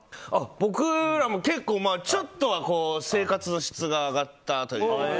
僕らも結構、ちょっとは生活の質が上がったというか。